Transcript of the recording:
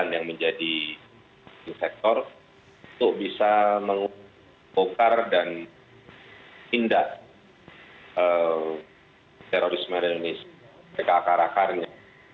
yang menjadi sektor untuk bisa mengukur dan hindar terorisme dan agar akarnya